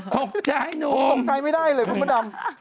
ผมตกใกล้ไม่ได้เลยคุณปุดดำ